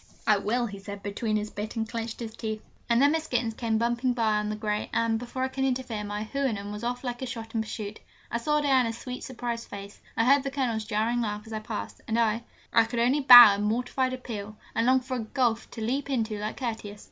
'I will,' he said between his bit and clenched teeth. And then Miss Gittens came bumping by on the grey, and, before I could interfere, my Houyhnhnm was off like a shot in pursuit. I saw Diana's sweet, surprised face: I heard the Colonel's jarring laugh as I passed, and I I could only bow in mortified appeal, and long for a gulf to leap into like Curtius!